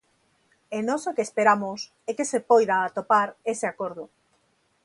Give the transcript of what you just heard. E nós o que esperamos é que se poida atopar ese acordo.